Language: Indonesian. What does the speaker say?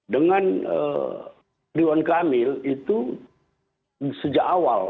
dengan ridwan kamil itu sejak awal